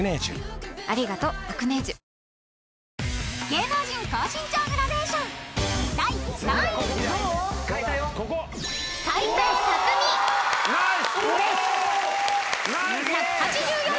［芸能人高身長グラデーション第３位］おしっ！